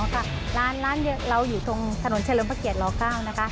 ค่ะร้านเราอยู่ตรงถนนเฉลิมพระเกียร๙นะคะ